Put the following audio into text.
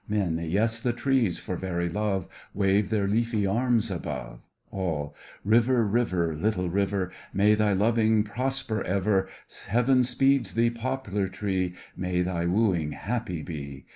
MEN: Yes, the trees, for very love, Wave their leafy arms above. ALL: River, river, little river, May thy loving prosper ever! Heaven speed thee, poplar tree, May thy wooing happy be.